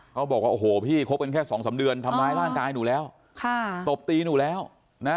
เขาบอกว่าโอ้โหพี่คบกันแค่สองสามเดือนทำร้ายร่างกายหนูแล้วค่ะตบตีหนูแล้วนะ